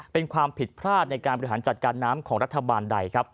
เป็นความผิดพลาดในการบริหารจัดการน้ำของรัฐบาลใดครับ